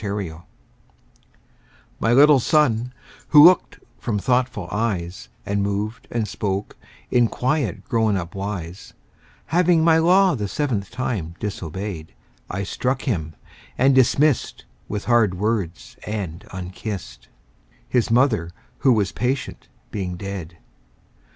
The Toys MY little Son, who look'd from thoughtful eyes And moved and spoke in quiet grown up wise, Having my law the seventh time disobey'd, I struck him, and dismiss'd With hard words and unkiss'd, 5 —His Mother, who was patient, being dead.